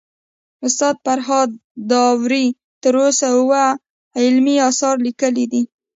استاد فرهاد داوري تر اوسه اوه علمي اثار ليکلي دي